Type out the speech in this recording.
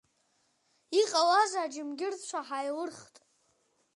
Иҟалазеи аџьымгьырцәа ҳаилырхт.